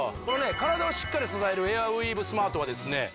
このね体をしっかり支えるエアウィーヴスマートはですね